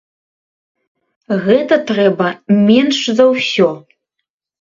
Гэта трэба менш за ўсё.